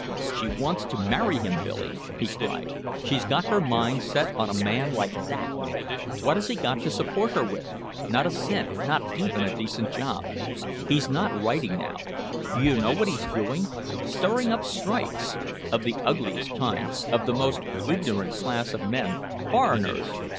"She wants to marry him, Billy," he cried. "She's got her mind set on a man like that! What has he got to support her with? Not a cent, not even a decent job! He's not writing now. Do you know what he's doing? Stirring up strikes of the ugliest kind of the most ignorant class of men foreigners!